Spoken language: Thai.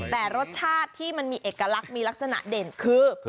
แต่รสชาติที่มันมีเอกลักษณ์มีลักษณะเด่นคือ